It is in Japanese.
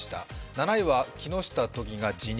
７位は木下都議が辞任。